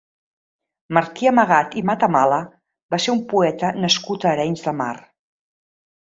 Martí Amagat i Matamala va ser un poeta nascut a Arenys de Mar.